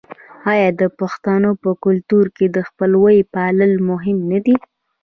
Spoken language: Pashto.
آیا د پښتنو په کلتور کې د خپلوۍ پالل مهم نه دي؟